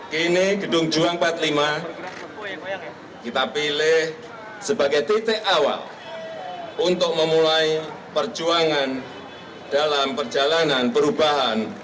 kini gedung dua ratus empat puluh lima kita pilih sebagai titik awal untuk memulai perjuangan dalam perjalanan perubahan